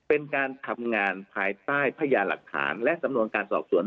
เป็นการทำงานภายใต้พญาหลักฐานและสำนวนการสอบสวน